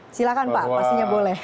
silakan pak pastinya boleh